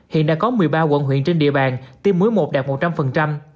hiện đã có một mươi ba quận huyện trên địa bàn tiêm muối một đạt một trăm linh